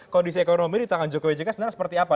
kondisi ekonomi di tangan jokowi jk sebenarnya seperti apa